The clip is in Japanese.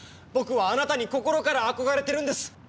僕はあなたに心から憧れてるんです！